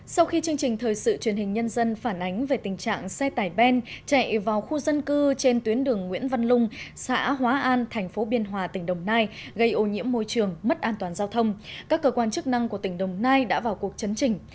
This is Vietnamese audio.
sau khi chương trình thời sự truyền hình nhân dân phản ánh về tình trạng xe tải ben chạy vào khu dân cư trên tuyến đường nguyễn văn lung xã hóa an thành phố biên hòa tỉnh đồng nai gây ô nhiễm môi trường mất an toàn giao thông các cơ quan chức năng của tỉnh đồng nai đã vào cuộc chấn trình